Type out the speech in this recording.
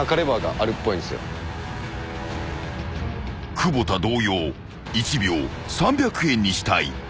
［久保田同様１秒３００円にしたいＩＮＩ西］